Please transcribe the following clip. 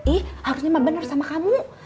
ih harusnya mah bener sama kamu